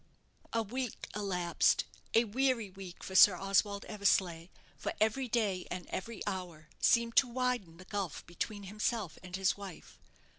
A week elapsed a weary week for Sir Oswald Eversleigh, for every day and every hour seemed to widen the gulf between himself and his wife.